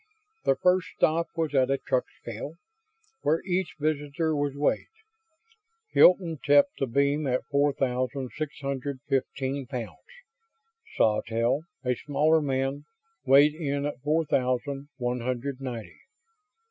Their first stop was at a truck scale, where each visitor was weighed. Hilton tipped the beam at four thousand six hundred fifteen pounds; Sawtelle, a smaller man, weighed in at four thousand one hundred ninety.